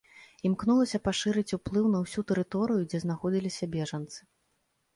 Імкнулася пашырыць уплыў на ўсю тэрыторыю, дзе знаходзіліся бежанцы.